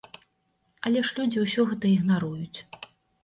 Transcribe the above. Але ж людзі ўсё гэта ігнаруюць.